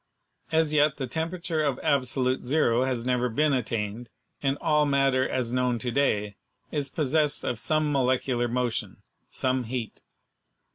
As yet the temperature of absolute zero has never been attained, and all matter as known to day is possessed of some molecular motion — some heat.